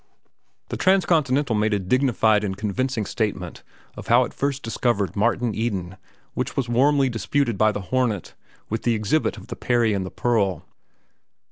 The Transcontinental made a dignified and convincing statement of how it first discovered Martin Eden, which was warmly disputed by The Hornet, with the exhibit of "The Peri and the Pearl."